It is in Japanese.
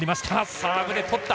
サーブで取った。